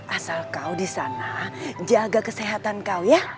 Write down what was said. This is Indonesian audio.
asal kau disana jaga kesehatan kau ya